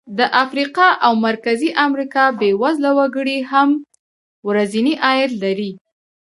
د افریقا او مرکزي امریکا بېوزله وګړي هم ورځنی عاید لري.